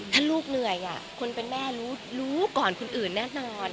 ถ้าลูกเหนื่อยคนเป็นแม่รู้ก่อนคนอื่นแน่นอน